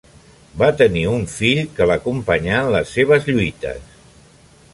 Va tenir un fill, que l'acompanyà en les seves lluites.